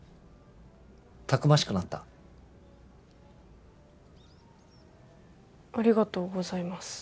たくましくなったありがとうございます